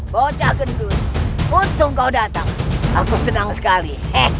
bocah gendut untung kau datang aku senang sekali